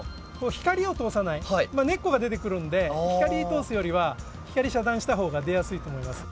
根っこが出てくるんで光通すよりは光遮断した方が出やすいと思います。